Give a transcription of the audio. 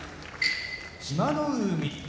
志摩ノ海